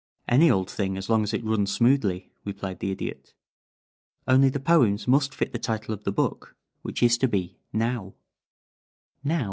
"Any old thing as long as it runs smoothly," replied the Idiot. "Only the poems must fit the title of the book, which is to be Now." "_Now?